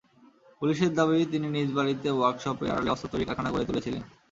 পুলিশের দাবি, তিনি নিজ বাড়িতে ওয়ার্কশপের আড়ালে অস্ত্র তৈরির কারখানা গড়ে তুলেছিলেন।